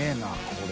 これ。